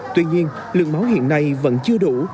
tuy nhiên lượng máu hiện nay vẫn chưa đủ